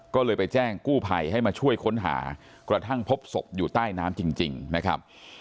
ก็เลยไปแจ้งกู้ภัยให้มาช่วยค้นหากระทั่งพบศพอยู่ใต้น้ำจริงนะครับ